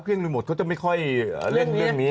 เครื่องรีโมทเขาจะไม่ค่อยเรื่องนี้